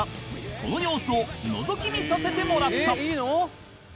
その様子をのぞき見させてもらった